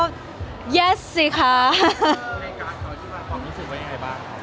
ในการขอรู้สึกว่าอย่างไรบ้าง